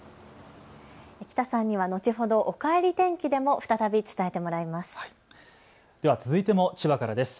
喜多さんには後ほどおかえり天気でも再び伝えてもらいます。